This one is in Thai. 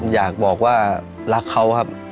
อยากบอกว่ารักเขาครับ